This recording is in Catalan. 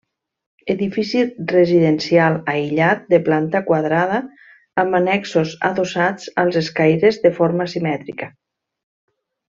Edifici residencial aïllat de planta quadrada amb annexos adossats als escaires de forma simètrica.